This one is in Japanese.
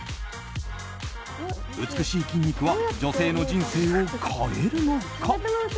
美しい筋肉は女性の人生を変えるのか。